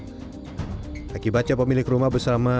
hai akibatnya pemilik rumah bersama